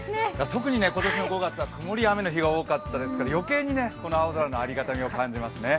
特に今年の５月はくもりや雨の日が多かったですから余計に青空のありがたみを感じますね。